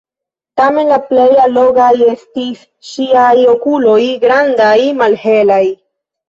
Tamen la plej allogaj estis ŝiaj okuloj, grandaj, malhelaj.